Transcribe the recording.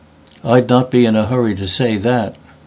"I'd not be in a hurry to say that."